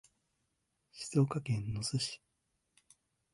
滋賀県野洲市